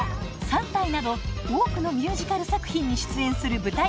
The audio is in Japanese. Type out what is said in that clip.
「三体」など多くのミュージカル作品に出演する舞台